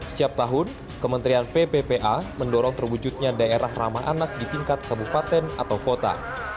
setiap tahun kementerian pppa mendorong terwujudnya daerah ramah anak di tingkat kabupaten atau kota